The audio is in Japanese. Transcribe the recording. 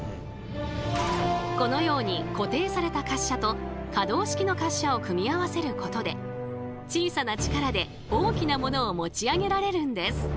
このように固定された滑車と可動式の滑車を組み合わせることで小さな力で大きなものを持ち上げられるんです。